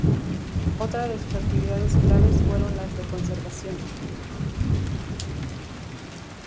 Otra de sus actividades claves fueron las de conservación.